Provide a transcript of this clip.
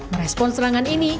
merespon serangan ini